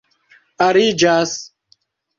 aliĝas